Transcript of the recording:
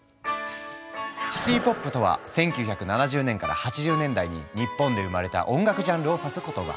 シティ・ポップとは１９７０年から８０年代に日本で生まれた音楽ジャンルを指す言葉。